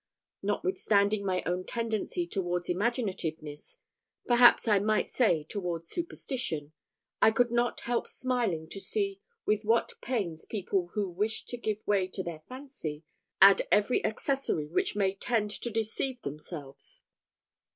Notwithstanding my own tendency towards imaginativeness perhaps I might say towards superstition I could not help smiling to see with what pains people who wish to give way to their fancy, add every accessory which may tend to deceive themselves.